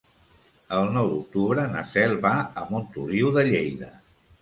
El nou d'octubre na Cel va a Montoliu de Lleida.